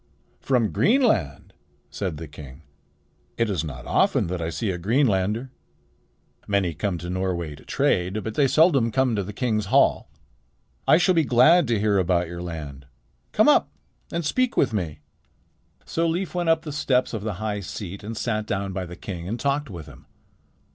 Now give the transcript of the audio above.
"From Greenland!" said the king. "It is not often that I see a Greenlander. Many come to Norway to trade, but they seldom come to the king's hall. I shall be glad to hear about your land. Come up and speak with me." So Leif went up the steps of the high seat and sat down by the king and talked with him.